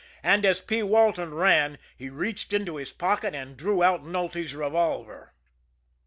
And as P. Walton ran, he reached into his pocket and drew out Nulty's revolver.